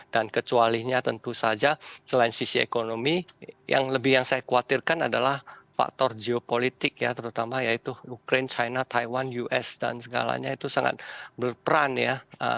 dan kecuali nya tentu saja selain sisi ekonomi yang lebih yang saya khawatirkan adalah faktor geopolitik ya terutama yaitu ukraine china taiwan us dan segalanya itu sangat berperan ya